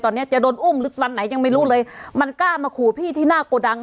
ตอนนี้จะโดนอุ้มหรือวันไหนยังไม่รู้เลยมันกล้ามาขู่พี่ที่หน้าโกดัง